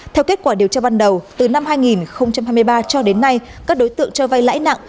theo kết quả điều tra ban đầu từ năm hai nghìn hai mươi ba cho đến nay các đối tượng cho vay lãi nặng